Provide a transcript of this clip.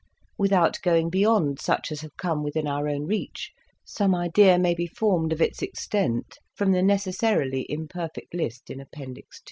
Without going beyond such as have come within our own reach, some idea may be formed of its extent from the necessarily imperfect list in Appendix II.